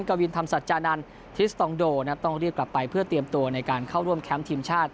กวินธรรมสัจจานันทิสตองโดนะครับต้องเรียกกลับไปเพื่อเตรียมตัวในการเข้าร่วมแคมป์ทีมชาติ